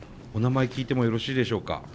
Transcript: お名前聞いてもよろしいでしょうか？